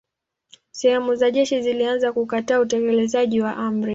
Sehemu za jeshi zilianza kukataa utekelezaji wa amri.